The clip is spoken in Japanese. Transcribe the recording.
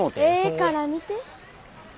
ええから見て。